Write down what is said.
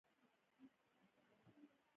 هورمونونه کیمیاوي پیغام رسوونکي دي